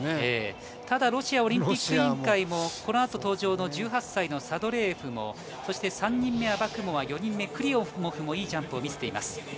ただロシアオリンピック委員会もこのあと登場の１８歳サドレーエフもそして３人目、アバクモワ４人目、クリモフもいいジャンプを見せています。